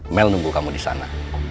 mel nunggu kamu disana